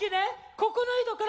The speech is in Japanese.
ここの井戸から。